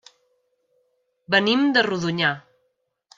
Venim de Rodonyà.